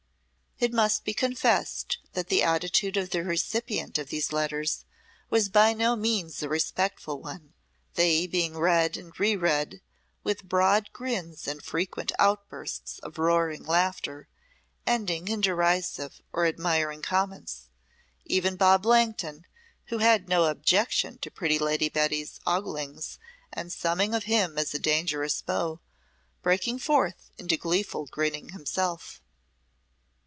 It must be confessed that the attitude of the recipient of these letters was by no means a respectful one, they being read and re read with broad grins and frequent outbursts of roaring laughter, ending in derisive or admiring comments, even Bob Langton, who had no objection to pretty Lady Betty's oglings and summing of him as a dangerous beau, breaking forth into gleeful grinning himself.